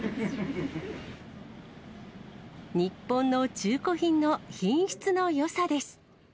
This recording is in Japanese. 日本の中古品の品質のよさです。